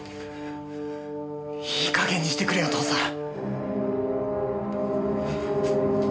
いい加減にしてくれよ父さん！